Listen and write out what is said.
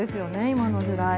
今の時代。